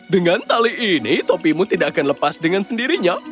dengan tali ini topimu tidak akan lepas dengan sendirinya